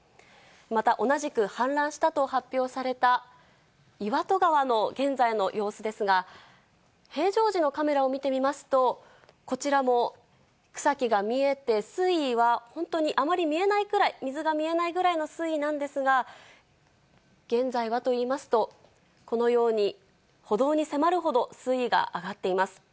また同じく氾濫したと発表された岩戸川の現在の様子ですが、平常時のカメラを見てみますと、こちらも草木が見えて、水位は本当にあまり見えないくらい、水が見えないぐらいの水位なんですが、現在はといいますと、このように歩道に迫るほど水位が上がっています。